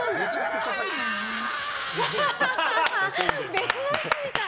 別の人みたい。